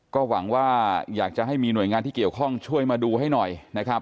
ก็หวังว่าอยากจะให้มีหน่วยงานที่เกี่ยวข้องช่วยมาดูให้หน่อยนะครับ